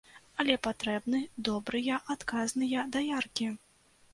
Але патрэбны добрыя адказныя даяркі.